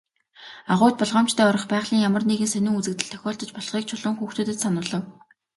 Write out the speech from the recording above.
Агуйд болгоомжтой орох, байгалийн ямар нэгэн сонин үзэгдэл тохиолдож болохыг Чулуун хүүхдүүдэд сануулав.